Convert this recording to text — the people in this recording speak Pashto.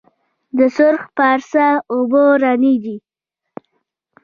د سرخ پارسا اوبه رڼې دي